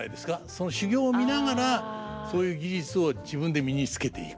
その修業を見ながらそういう技術を自分で身につけていくという。